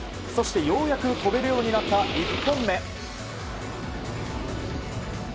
そしてようやく飛べるようになった１本目。